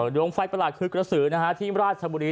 ดวงไฟประหลาดคือกระสือที่ราชบุรี